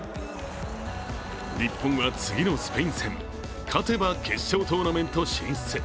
日本は次のスペイン戦、勝てば決勝トーナメント進出。